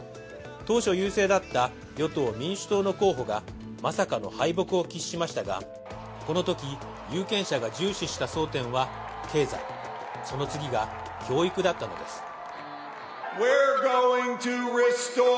当初優勢だった与党・民主党の候補がまさかの敗北を喫しましたがこのとき有権者が重視した争点は経済、その次が教育だったのです。